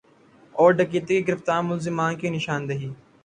اور ڈکیتی کے گرفتار ملزمان کی نشاندہی